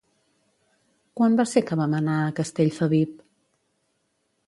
Quan va ser que vam anar a Castellfabib?